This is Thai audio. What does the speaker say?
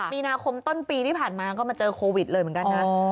มีนาคมต้นปีที่ผ่านมาก็มาเจอโควิดเลยเหมือนกันนะ